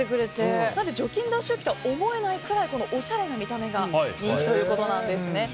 除菌脱臭器とは思えないくらいおしゃれな見た目が人気ということなんです。